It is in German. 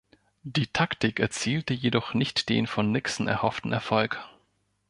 Die Taktik erzielte jedoch nicht den von Nixon erhofften Erfolg.